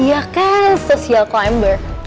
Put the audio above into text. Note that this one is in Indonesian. dia kan social climber